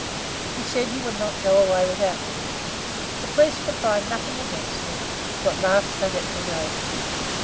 He said he would not go away without me. The police could find out nothing against me, so, at last, they let me go.